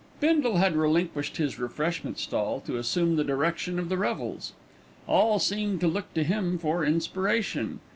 Bindle had relinquished his refreshment stall to assume the direction of the revels. All seemed to look to him for inspiration.